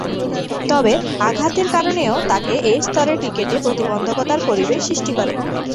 তবে, আঘাতের কারণেও তাকে এ স্তরের ক্রিকেটে প্রতিবন্ধকতার পরিবেশ সৃষ্টি করে।